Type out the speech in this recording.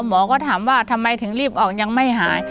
หมอก็ถามว่าทำไมถึงรีบออกยังไม่หาย